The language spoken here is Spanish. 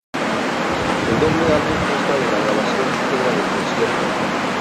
El doble álbum consta de la grabación íntegra del concierto.